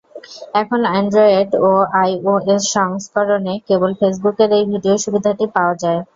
এখন অ্যান্ড্রয়েড ও আইওএস সংস্করণে কেবল ফেসবুকের এই ভিডিও সুবিধাটি পাওয়া যায়।